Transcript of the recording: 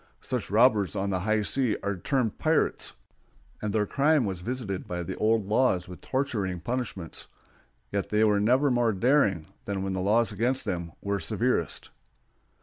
Such robbers on the high seas are termed pirates, and their crime was visited by the old laws with torturing punishments; yet they were never more daring than when the laws against them were severest.